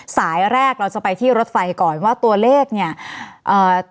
สายแรกเราจะไปที่รถไฟก่อนว่าตัวเลขเนี่ยเอ่อ